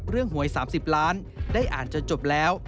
หวย๓๐ล้านได้อ่านจนจบแล้ว